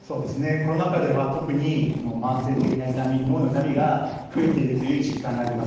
コロナ禍では特に慢性的な痛み脳の痛みが増えているという実感があります。